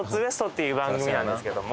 ＷＥＳＴっていう番組なんです